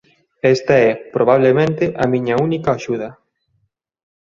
Esta é probablemente a miña única axuda.